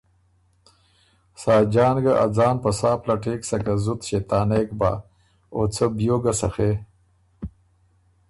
ساجان ګۀ ا ځان په سا پلټېک سکه زُت ݭېطانېک بۀ او څه بیوک ګۀ سخے۔